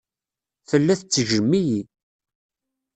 Tella tettejjem-iyi.